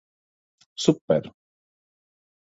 Super!